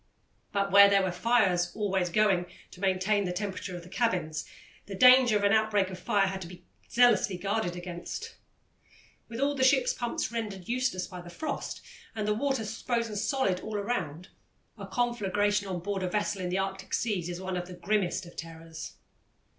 But where there were fires always going to maintain the temperature of the cabins, the danger of an outbreak of fire had to be zealously guarded against. With all the ship's pumps rendered useless by the frost, and the water frozen solid all around, a conflagration on board a vessel in the Arctic seas is one of the grimmest of terrors.